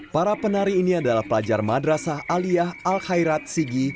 para penari ini adalah pelajar madrasah aliyah al khairat sigi